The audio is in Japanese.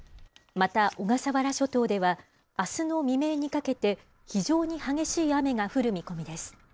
また、小笠原諸島では、あすの未明にかけて、非常に激しい雨が降る見込みです。